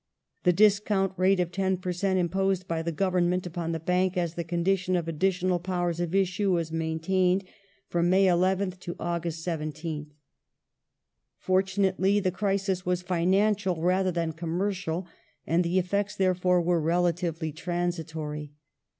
The discount rate of 10 per cent, imposed by the Government upon the Bank as the condition of additional powers of issue was maintained from May 11th to August 17th. Fortunately the crisis was financial rather than commercial, and the effects, therefore, were relatively transitory.